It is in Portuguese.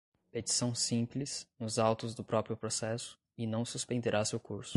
petição simples, nos autos do próprio processo, e não suspenderá seu curso.